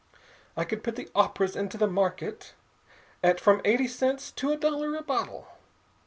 I could put the operas into the market at from eighty cents to a dollar a bottle.